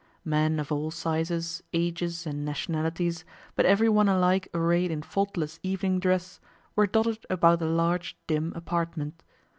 Men of all sizes, ages, and nationalities, but every one alike arrayed in faultless evening dress, were dotted about the large, dim apartment.